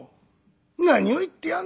何を言ってやんだ。